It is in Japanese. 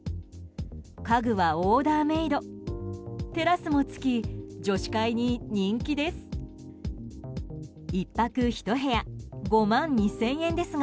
家具はオーダーメイドテラスも付き女子会に人気です。